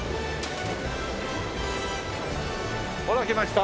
ほら来ました！